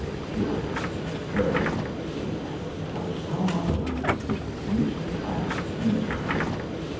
'George,' very faintly, 'I I shall not allow it! You you should ask permission.'